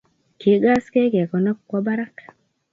Kigaskei ke konop kwo barak